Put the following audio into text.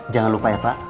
jangan lupa ya pak